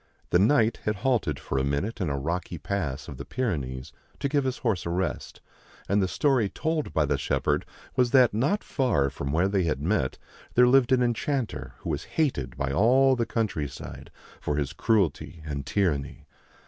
The Knight had halted for a minute in a rocky pass of the Pyrenees to give his horse a rest, and the story told by the shepherd was that not far from where they had met there lived an enchanter who was hated by all the countryside for his cruelty and tyranny.